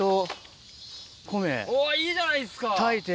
うわいいじゃないですか！